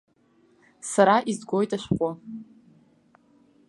Сара изгоит ашәҟәы.